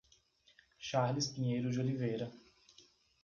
Charles Pinheiro de Oliveira